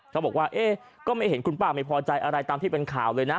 เขาบอกว่าเอ๊ะก็ไม่เห็นคุณป้าไม่พอใจอะไรตามที่เป็นข่าวเลยนะ